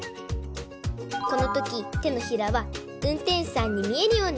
このときてのひらはうんてんしゅさんにみえるように！